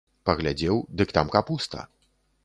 Паглядзеў, дык там капуста.